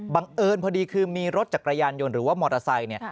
เอิญพอดีคือมีรถจักรยานยนต์หรือว่ามอเตอร์ไซค์เนี่ย